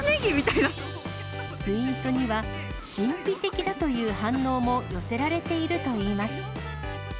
ツイートには、神秘的だという反応も寄せられているといいます。